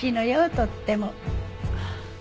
とっても。